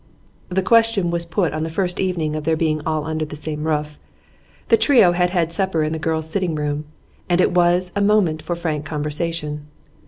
The question was put on the first evening of their being all under the same roof. The trio had had supper in the girls' sitting room, and it was a moment for frank conversation.